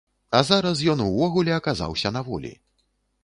А зараз ён увогуле аказаўся на волі.